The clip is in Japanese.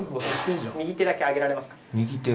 右手だけ上げられますか？